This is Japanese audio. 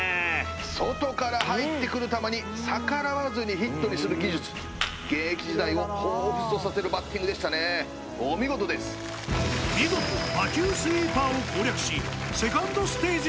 外から入ってくる球に逆らわずにヒットにする技術現役時代を彷彿とさせるバッティングでしたねお見事です見事魔球スイーパーを攻略しセカンドステージ